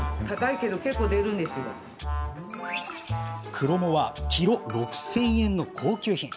クロモはキロ６０００円の高級品。